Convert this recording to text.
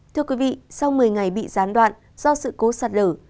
thưa quý vị sau một mươi ngày bị gián đoạn do sự cố sạt lở